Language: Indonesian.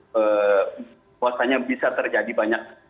bahwasannya bisa terjadi banyak